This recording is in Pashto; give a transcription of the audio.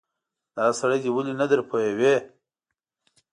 دا سړی دې ولې نه درپوهوې.